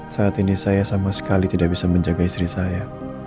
saat ini saya sama sekali tidak bisa menjaga istri saya